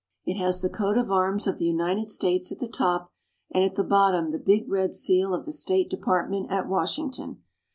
It has the coat of arms of the United States at the top, and at the bottom the big red seal of the State Department at Washington.